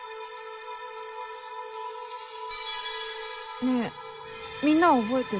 ねえみんなは覚えてる？